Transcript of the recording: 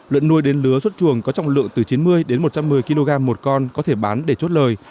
lợn nuôi đến lứa xuất chuồng có trọng lượng từ chín mươi đến một trăm một mươi kg một con có thể bán để chốt lời